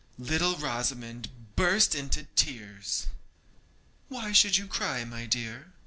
Little Rosamond burst into tears. 'Why should you cry, my dear?'